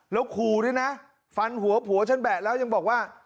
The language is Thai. แล้วขู่ด้วยนะฟันหัวผัวฉันแบะแล้วยังบอกว่า